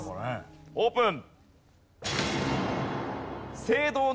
オープン。